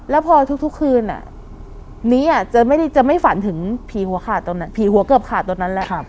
แล้วพอทุกคืนนี้จะไม่ฝันถึงผีหัวขาดตอนนั้นผีหัวเกือบขาดตอนนั้นแหละ